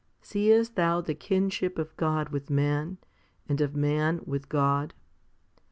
Seest thou the kinship of God with man, and of man with God ?